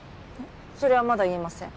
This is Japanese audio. それはまだ言えません。